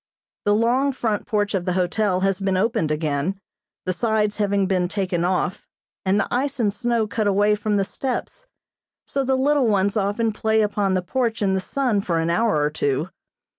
The long front porch of the hotel has been opened again, the sides having been taken off, and the ice and snow cut away from the steps, so the little ones often play upon the porch in the sun for an hour or two.